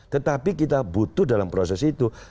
tetapi kita butuh dalam proses itu